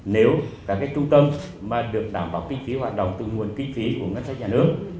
nếu các trung tâm mà được đảm bảo kinh phí hoạt động từ nguồn kinh phí của ngân sách nhà nước